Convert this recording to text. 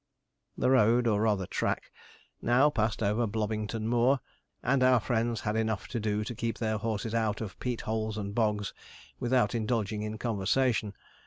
The road, or rather track, now passed over Blobbington Moor, and our friends had enough to do to keep their horses out of peat holes and bogs, without indulging in conversation.